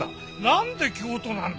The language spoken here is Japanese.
なんで京都なんだ！